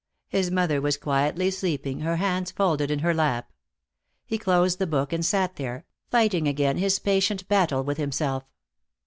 His mother was quietly sleeping, her hands folded in her lap. He closed the book and sat there, fighting again his patient battle with himself.